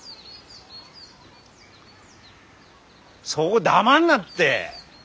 そご黙んなって。